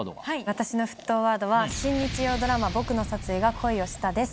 私の沸騰ワードは新日曜ドラマ『ボクの殺意が恋をした』です。